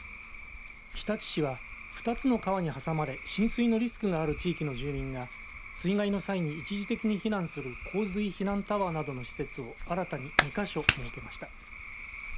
日立市は２つの川に挟まれ浸水のリスクがある地域の住民が水害の際に一時的に避難する洪水避難タワーなどの施設を新たに２か所設けました。